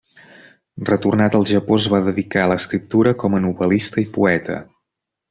Retornat al Japó es va dedicar a l'escriptura com a novel·lista i poeta.